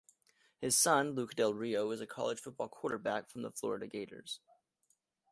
His son, Luke Del Rio, is a college football quarterback for the Florida Gators.